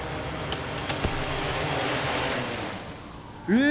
え！